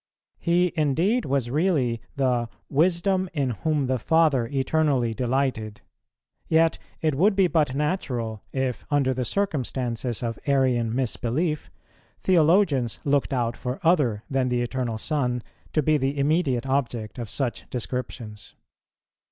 He indeed was really the "Wisdom in whom the Father eternally delighted," yet it would be but natural, if, under the circumstances of Arian misbelief, theologians looked out for other than the Eternal Son to be the immediate object of such descriptions.